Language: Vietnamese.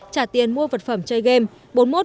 trả tiền mua vật phẩm chơi